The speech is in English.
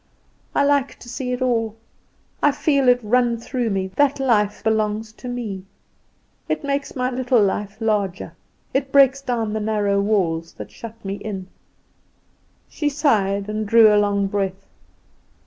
I like to see it all; I feel it run through me that life belongs to me; it makes my little life larger, it breaks down the narrow walls that shut me in." She sighed, and drew a long breath.